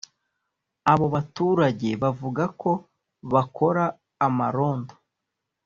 Aba baturage bavuga ko bakora amarondo